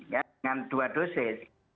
dengan dua dosis